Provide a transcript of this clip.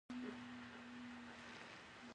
د کونړ په ماڼوګي کې د سمنټو مواد شته.